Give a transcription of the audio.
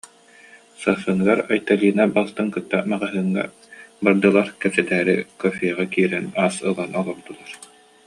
Сарсыныгар Айталина балтын кытта маҕаһыыҥҥа бардылар, кэпсэтээри кофеҕа киирэн ас ылан олордулар